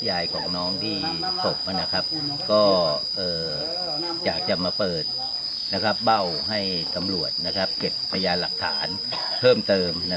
ยายของน้องที่ศพก็อยากจะมาเปิดเบ้าให้ตำรวจเก็บพยานหลักฐานเพิ่มเติม